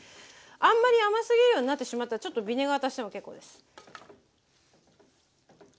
あんまり甘すぎるようになってしまったらちょっとビネガー足しても結構です。